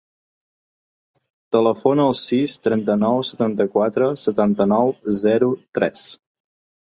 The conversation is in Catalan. Telefona al sis, trenta-nou, setanta-quatre, setanta-nou, zero, tres.